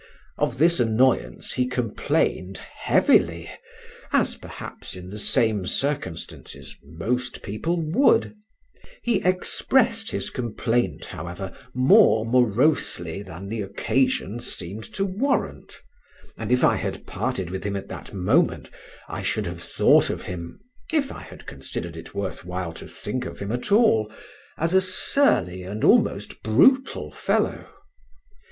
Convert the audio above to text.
Of this annoyance he complained heavily, as perhaps, in the same circumstances, most people would; he expressed his complaint, however, more morosely than the occasion seemed to warrant, and if I had parted with him at that moment I should have thought of him (if I had considered it worth while to think of him at all) as a surly and almost brutal fellow.